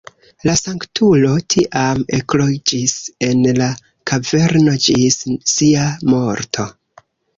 La sanktulo tiam ekloĝis en la kaverno ĝis sia morto.